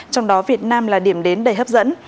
trong đó việt nam là điểm đến đầy hấp dẫn